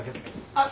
あっ。